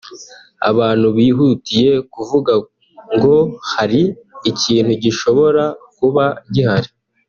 Abantu bihutiye kuvuga ngo hari ikintu gishobora kuba gihari